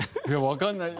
わからない。